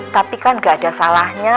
tapi kan gak ada salahnya